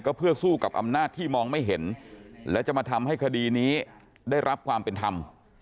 เพื่อสู้กับอำนาจที่มองไม่เห็นและจะมาทำให้คดีนี้ได้รับความเป็นธรรม